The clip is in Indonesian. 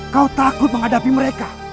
kau takut menghadapi mereka